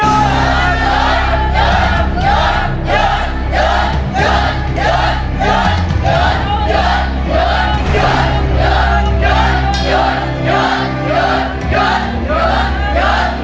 สู้หรือหยุดครับ